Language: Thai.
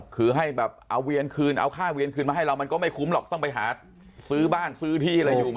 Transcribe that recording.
คือให้แบบเอาเวียนคืนเอาค่าเวียนคืนมาให้เรามันก็ไม่คุ้มหรอกต้องไปหาซื้อบ้านซื้อที่อะไรอยู่